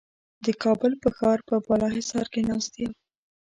د کابل په ښار په بالاحصار کې ناست یم.